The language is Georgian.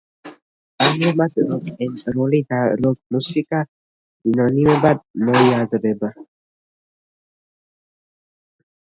ამჟამად როკ-ენ-როლი და როკ-მუსიკა სინონიმებად მოიაზრება.